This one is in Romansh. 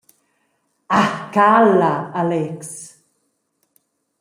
Ah cala, Alex.